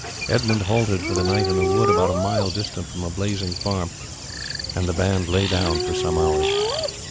Edmund halted for the night in a wood about a mile distant from a blazing farm, and the band lay down for some hours.